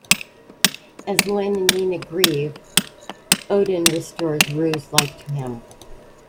As Lin and Nina grieve, Odjn restores Ryu's life to him.